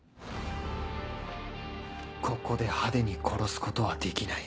ここで派手に殺すことはできない